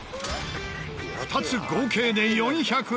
２つ合計で４００円。